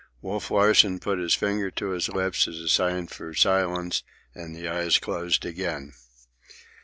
Wolf Larsen put his finger to his lips as a sign for silence, and the eyes closed again.